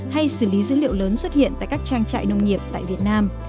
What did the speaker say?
hay xử lý dữ liệu lớn xuất hiện tại các trang trại nông nghiệp tại việt nam